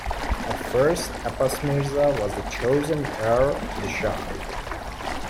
At first, Abbas Mirza was the chosen heir to the Shah.